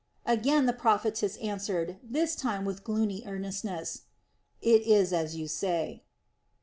Again the prophetess answered, this time with gloomy earnestness: "It is as you say."